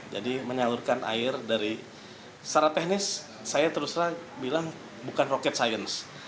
jadi menyalurkan air dari secara teknis saya terus bilang bukan rocket science